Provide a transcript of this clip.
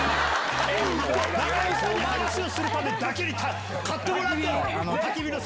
長与さんに話をするためだけに買ってもらったの？